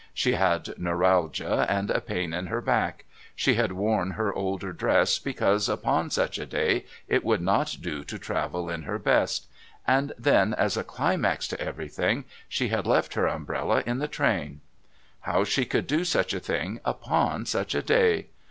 She had neuralgia and a pain in her back; she had worn her older dress because, upon such a day, it would not do to travel in her best; and then, as a climax to everything, she had left her umbrella in the train. How she could do such a thing upon such a day!